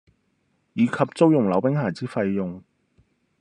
以及租用溜冰鞋之費用